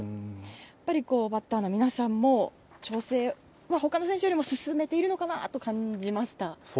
やっぱり、バッターの皆さんも調整、他の選手よりも進んでいるのかなと感じました。